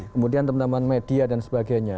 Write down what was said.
kemudian teman teman media dan sebagainya